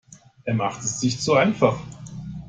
Er macht es sich zu einfach.